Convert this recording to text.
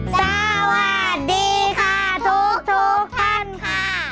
สวัสดีค่ะทุกท่านค่ะ